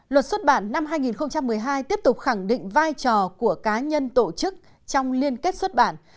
luật xuất bản năm hai nghìn một mươi hai tiếp tục khẳng định vai trò của cá nhân tổ chức trong liên kết xuất bản